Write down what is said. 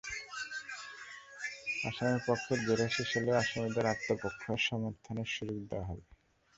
আসামিপক্ষের জেরা শেষ হলে আসামিদের আত্মপক্ষ সমর্থনের জন্য সুযোগ দেওয়া হবে।